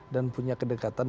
dan punya kedekatan